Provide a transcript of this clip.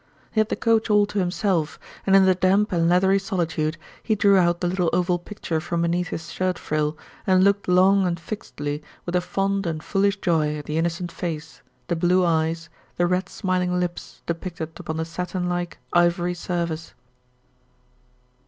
He had the coach all to himself, and in the damp and leathery solitude he drew out the little oval picture from beneath his shirt frill and looked long and fixedly with a fond and foolish joy at the innocent face, the blue eyes, the red, smiling lips depicted upon the satinlike, ivory surface.